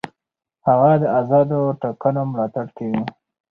هغه د آزادو ټاکنو ملاتړ کوي.